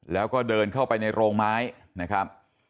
แล้วก็เดินเข้าไปในโรงไม้นะครับ